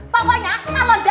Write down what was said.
pokoknya kalo gak mau sampai